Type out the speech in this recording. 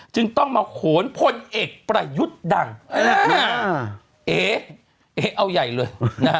จึงต้องมาโขนพลเอกประยุทธ์ดังเอ๊ะเอ๊ะเอ๊ะเอาใหญ่เลย